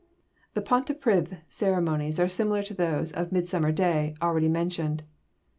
The Pontypridd ceremonies are similar to those of Midsummer day, already mentioned.